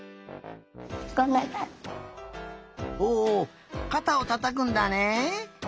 おかたをたたくんだね。